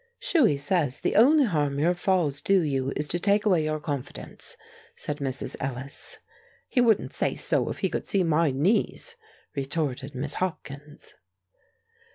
"Shuey says the only harm your falls do you is to take away your confidence," said Mrs. Ellis. "He wouldn't say so if he could see my knees!" retorted Miss Hopkins.